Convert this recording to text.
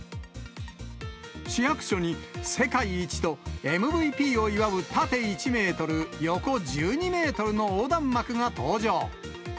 市役所に世界一とＭＶＰを祝う縦１メートル、横１２メートルの横断幕が登場。